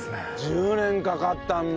１０年かかったんだ。